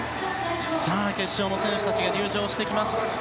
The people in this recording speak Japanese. さあ、決勝の選手たちが入場してきます。